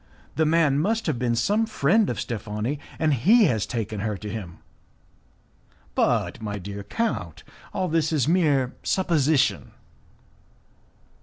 The man must have been some friend of Steffani, and he has taken her to him." "But, my dear count, all this is mere supposition."